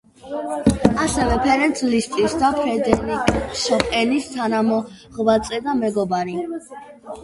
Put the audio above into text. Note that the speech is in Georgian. ასევე ფერენც ლისტის და ფრედერიკ შოპენის თანამოღვაწე და მეგობარი.